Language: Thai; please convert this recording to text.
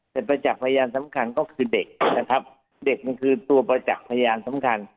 แต่ประจักษ์พยานสำคัญก็คือเด็กนะครับเด็กมันคือตัวประจักษ์พยานสำคัญ